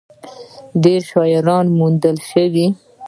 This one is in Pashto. ډېره شاعري موندلے شي ۔